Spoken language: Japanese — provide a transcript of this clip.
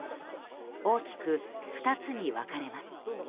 大きく２つに分かれます。